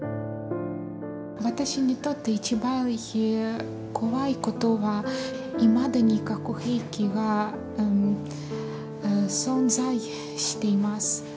私にとって一番怖いことは、いまだに核兵器が存在しています。